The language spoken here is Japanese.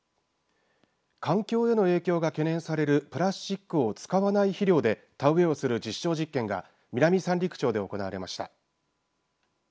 環境への影響が懸念されるプラスチックを使わない肥料で田植えをする実証実験が南三陸町で行われました。